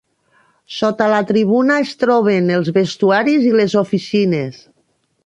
Sota la tribuna es troben els vestuaris i les oficines.